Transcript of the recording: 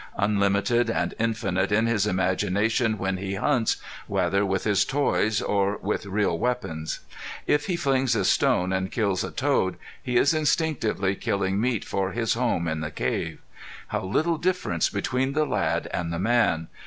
Unlimited and infinite in his imagination when he hunts whether with his toys or with real weapons. If he flings a stone and kills a toad he is instinctively killing meat for his home in the cave. How little difference between the lad and the man!